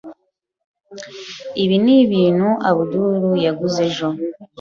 Ibi ni ibintu Abdul yaguze ejo.